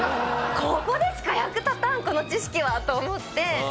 ここでしか役立たんこの知識は！と思って。